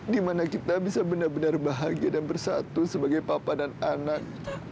dimana kita bisa benar benar bahagia dan bersatu sebagai papa dan anak